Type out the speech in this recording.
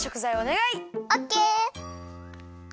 オッケー！